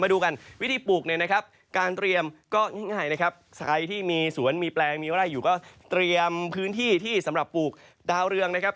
ดูกันวิธีปลูกเนี่ยนะครับการเตรียมก็ง่ายนะครับใครที่มีสวนมีแปลงมีอะไรอยู่ก็เตรียมพื้นที่ที่สำหรับปลูกดาวเรืองนะครับ